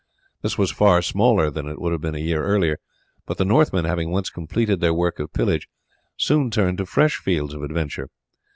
This was far smaller than it would have been a year earlier; but the Northmen, having once completed their work of pillage, soon turned to fresh fields of adventure.